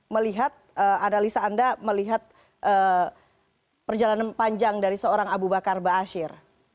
melihat analisa anda melihat perjalanan panjang dari seorang abu bakar basir